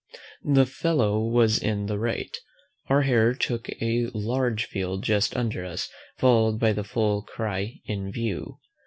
The fellow was in the right. Our hare took a large field just under us, followed by the full cry IN VIEW.